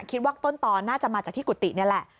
คิดว่าต้นตอนน่าจะมาจากที่กุฏินี่แหละ